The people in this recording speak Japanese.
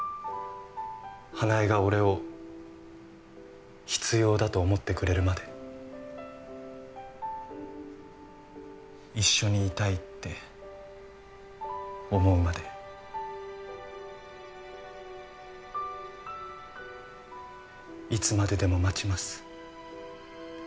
花枝が俺を必要だと思ってくれるまで一緒にいたいって思うまでいつまででも待ちます